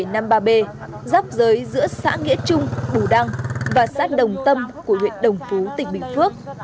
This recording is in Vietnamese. dt bảy trăm năm mươi ba b giáp giới giữa xã nghĩa trung bù đăng và xã đồng tâm của huyện đồng phú tỉnh bình phước